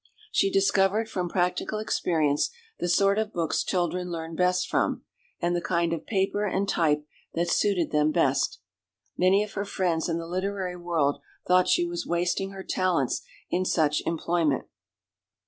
She discovered from practical experience the sort of books children learn best from, and the kind of paper and type that suited them best. Many of her friends in the literary world thought she was wasting her talents in such employment.